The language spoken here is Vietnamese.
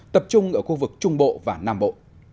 tập trung ở khu vực trung bộ và nam bộ